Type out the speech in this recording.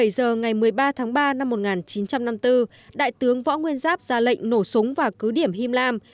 bảy giờ ngày một mươi ba tháng ba năm một nghìn chín trăm năm mươi bốn đại tướng võ nguyên giáp ra lệnh nổ súng và cứ điểm him lam